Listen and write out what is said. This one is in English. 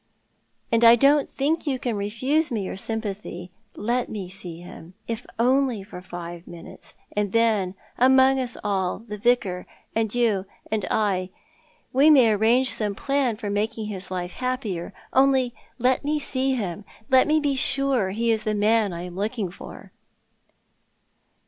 "And I don't think you can refuse me your sympathy. Let me see him, if only for five minutes, and then, among us all, the Vicar, and you, and I, we may arrange some plan for making his life happier. Only let me see him ; let me be sure he is the man I am looking for."